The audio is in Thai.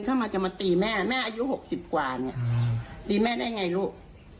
เข้ามาจะมาตีแม่แม่อายุ๖๐กว่าเนี่ยตีแม่ได้ไงลูก